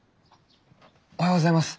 おはようございます。